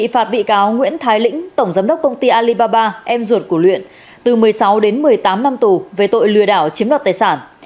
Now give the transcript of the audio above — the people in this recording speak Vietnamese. phạt bị cáo nguyễn thái lĩnh tổng giám đốc công ty alibaba em ruột của luyện từ một mươi sáu đến một mươi tám năm tù về tội lừa đảo chiếm đoạt tài sản